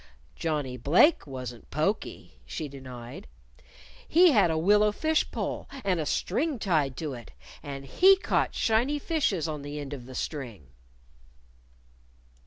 "Johnny Blake wasn't pokey," she denied. "He had a willow fishpole, and a string tied to it. And he caught shiny fishes on the end of the string."